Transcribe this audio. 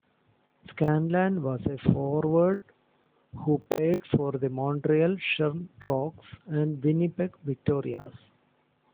Scanlan was a forward who played for the Montreal Shamrocks and Winnipeg Victorias.